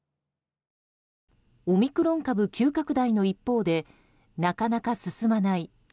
オミクロン株急拡大の一方でなかなか進まない